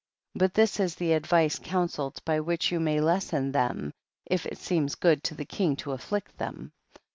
19. But thi* is the advice coun selled by which you may lessen them, if it seems good to the king to afflict them.